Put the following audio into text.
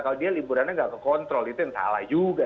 kalau dia liburannya nggak kekontrol itu yang salah juga